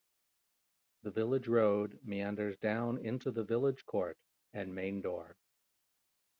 The village road meanders down into the village court and main door.